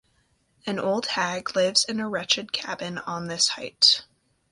An old hag lives in a wretched cabin on this height.